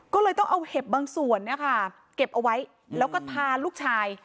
ก็เลยต้องเอาเห็บบางส่วนเก็บเอาไว้แล้วก็พาลูกชาย